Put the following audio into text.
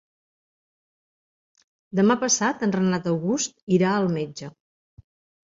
Demà passat en Renat August irà al metge.